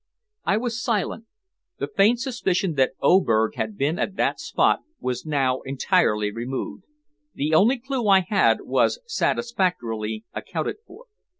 I was silent. The faint suspicion that Oberg had been at that spot was now entirely removed. The only clue I had was satisfactorily accounted for.